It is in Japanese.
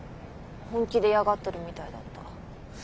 本気で嫌がってるみたいだった。